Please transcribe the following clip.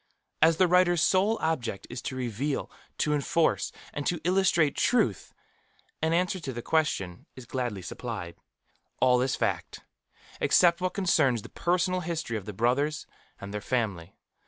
As the writer's sole object is to reveal, to enforce, and to illustrate Truth, an answer to the question is gladly supplied. All is fact, except what concerns the personal history of the Brothers and their family.